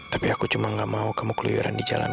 tapi aku cuma gak mau kamu keliuran di jalan